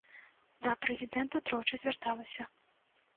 Да прэзідэнта тройчы звярталася.